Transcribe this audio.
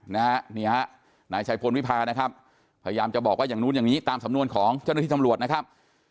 นี่ฮะนายชัยพลวิพานะครับพยายามจะบอกว่าอย่างนู้นอย่างนี้ตามสำนวนของเจ้าหน้าที่ตำรวจนะครับ